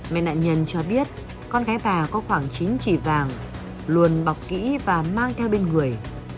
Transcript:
mẹ nạn nhân cho biết con gái bà có khoảng chính chỉ vàng luồn bọc kỹ và mang theo bên người